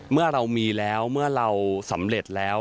เมื่อเรามีแล้วเมื่อเราสำเร็จแล้ว